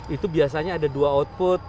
itu biasanya ada dua output